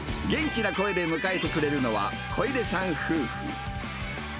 元気な声で迎えてくれるのは、小出さん夫婦。